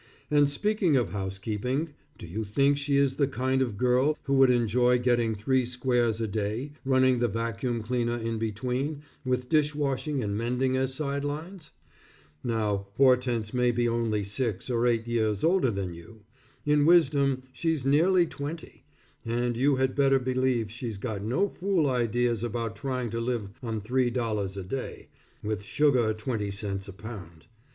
And speaking of housekeeping, do you think she is the kind of girl, who would enjoy getting three squares a day, running the vacuum cleaner in between, with dish washing and mending as side lines? Now Hortense may be only six or eight years older than you. In wisdom she's nearly twenty, and you had better believe she's got no fool ideas about trying to live on three dollars a day, with sugar twenty cents a pound.